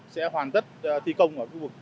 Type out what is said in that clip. sẽ hoàn tất thi công